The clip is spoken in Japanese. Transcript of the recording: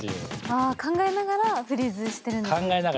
あ考えながらフリーズしてるんですね。